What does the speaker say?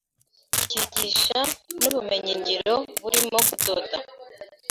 Kigisha n’ubumenyi ngiro burimo kudoda